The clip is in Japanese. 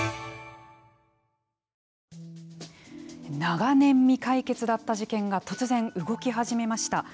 長年、未解決だった事件が突然、動き始めました。